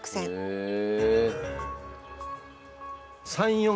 へえ。